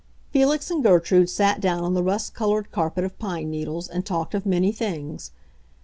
Felix and Gertrude sat down on the rust colored carpet of pine needles and talked of many things.